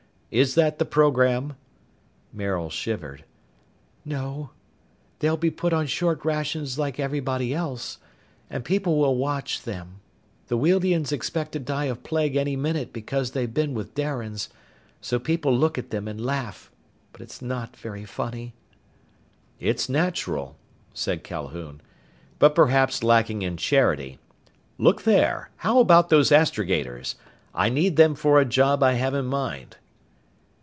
Is that the program?" Maril shivered. "No. They'll be put on short rations like everybody else. And people will watch them. The Wealdians expect to die of plague any minute because they've been with Darians. So people look at them and laugh. But it's not very funny." "It's natural," said Calhoun, "but perhaps lacking in charity. Look there! How about those astrogators? I need them for a job I have in mind."